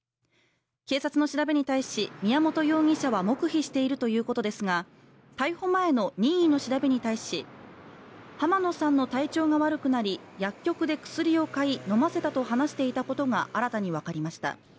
警察の調べに対し宮本容疑者は黙秘しているということですが、逮捕前の任意の調べに対し、濱野さんの体調が悪くなり、薬局で薬を買い、飲ませたと話していたことが新たにわかりました。